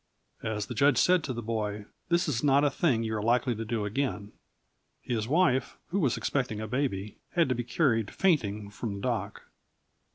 As the judge said to the boy: "This is not a thing you are likely to do again." His wife, who was expecting a baby, had to be carried fainting from the dock.